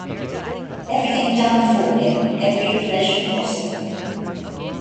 Everything done for him, every pleasure possible.